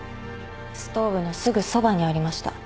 ストーブのすぐそばにありました。